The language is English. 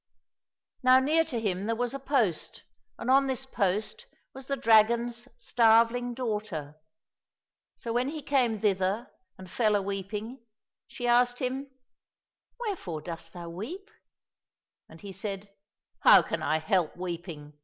Now near to him there was a post, and on this post was the dragon's starveling daughter. So when he came thither and fell a weeping, she asked him, " Wherefore dost thou weep ?"— And he said, *' How can I help weeping